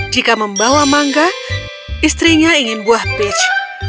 jika membawa mangga istrinya ingin buah pitch